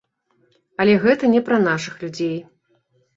Але гэта не пра нашых людзей.